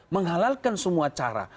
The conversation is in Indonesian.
menghalalkan semua cara